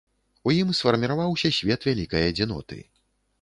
У ім сфарміраваўся свет вялікай адзіноты.